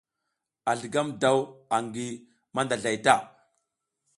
A zligam daw angi mandazlay ta.